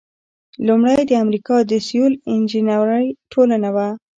لومړۍ د امریکا د سیول انجینری ټولنه وه.